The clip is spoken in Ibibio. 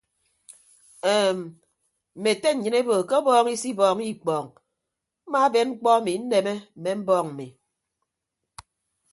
Eem mme ete nnyịn ebo ke ọbọọñ isibọọñọ ikpọọñ mmaaben mkpọ emi nneme mme mbọọñ mmi.